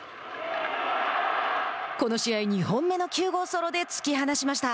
この試合２本目の９号ソロで突き放しました。